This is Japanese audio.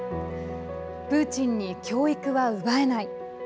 プーチンに教育は奪えない。